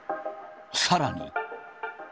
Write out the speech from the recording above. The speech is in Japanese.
さらに。